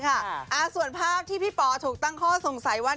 ส่วนภาพที่พี่ป๋อถูกตั้งข้อสงสัยว่า